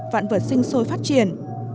vạn vật sinh sôi phát triển